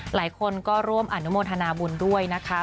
หลายคนก็ร่วมอนุโมทนาบุญด้วยนะคะ